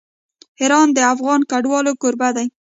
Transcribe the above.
ایران د افغان کډوالو کوربه دی.